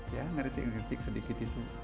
ya ngerti ngerti sedikit itu